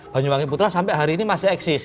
banyuwangi putra sampai hari ini masih eksis